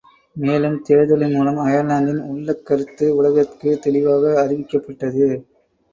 மேலும் தேர்தலின் மூலம் அயர்லாந்தின் உள்ளக் கருத்து உலகத்திற்குத் தெளிவாக அறிவிக்கப்ட்டது.